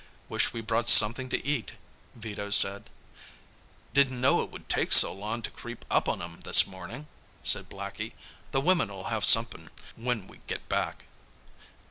"Wish we brought something to eat," Vito said. "Didn't know it would take so long to creep up on 'em this morning," said Blackie. "The women'll have somethin' when we get back."